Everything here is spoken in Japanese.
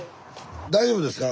大丈夫ですか？